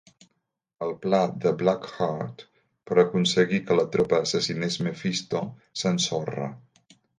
El pla de Blackheart per aconseguir que la tropa assassinés Mefisto s'ensorra.